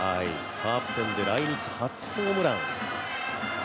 カープ戦で来日初ホームラン。